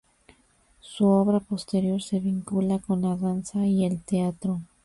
Su obra posterior se vincula con la danza y el teatro.